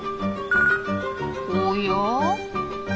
おや？